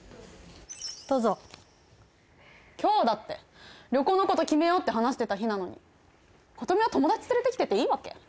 どうぞ今日だって旅行のこと決めようって話してた日なのに琴美は友達連れてきてていいわけ？